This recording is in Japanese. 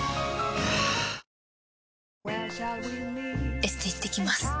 エステ行ってきます。